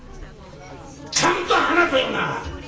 ちゃんと話せよな！